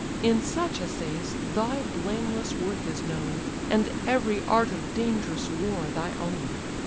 "In such assays thy blameless worth is known, And every art of dangerous war thy own.